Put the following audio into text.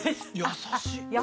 優しい！